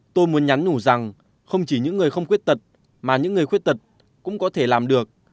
tôi muốn nhắn nhủ rằng không chỉ những người không khuyết tật mà những người khuyết tật cũng có thể làm được